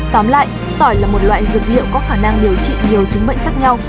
tóm lại tỏi là một loại dược liệu có khả năng điều trị nhiều chứng bệnh khác nhau